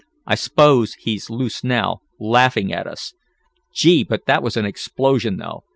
"I s'pose he's loose now, laughin' at us. Gee, but that was an explosion though!